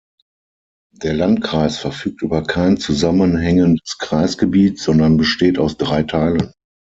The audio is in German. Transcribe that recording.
Der Landkreis verfügt über kein zusammenhängendes Kreisgebiet, sondern besteht aus drei Teilen.